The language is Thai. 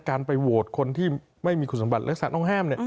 การไปโหวตคนที่ไม่มีคุณสมบัติลักษณะต้องห้าม